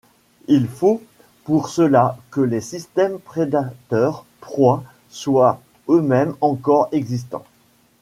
Il faut pour cela que les systèmes prédateurs-proie soient eux-mêmes encore existants.